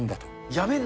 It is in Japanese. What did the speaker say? やめんな。